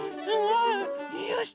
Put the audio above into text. よし！